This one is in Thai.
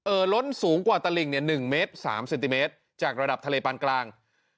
ล้นสูงกว่าตลิ่งเนี่ย๑เมตร๓เซนติเมตรจากระดับทะเลปานกลาง